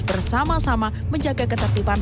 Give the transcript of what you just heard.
bersama sama menjaga ketertiban